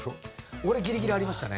俺ギリギリありましたね。